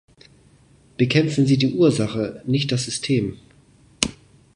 Bekämpfen Sie die Ursache, nicht das System.